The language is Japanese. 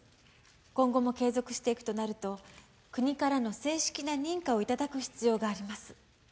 今後も継続していくとなると国からの正式な認可をいただく必要があります